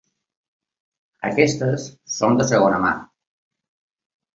Aquestes són de segona mà.